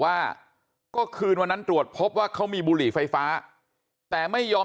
ว่าก็คืนวันนั้นตรวจพบว่าเขามีบุหรี่ไฟฟ้าแต่ไม่ยอม